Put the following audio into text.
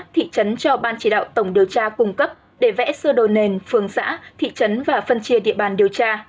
thị trấn cho ban chỉ đạo tổng điều tra cung cấp để vẽ sơ đồ nền phường xã thị trấn và phân chia địa bàn điều tra